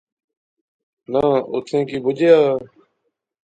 ناں اوتھیں کی بچیا